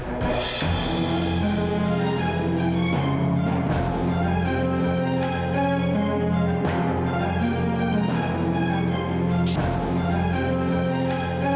aku juga tahu tepat hal itu